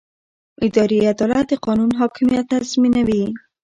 اداري عدالت د قانون حاکمیت تضمینوي.